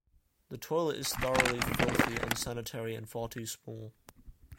The toilet is thoroughly filthy, unsanitary, and far too small.